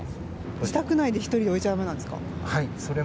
自宅内に１人で置いちゃだめなんですか？